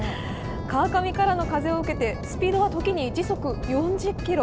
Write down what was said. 川上からの風を受けて、スピードは時に時速４０キロ。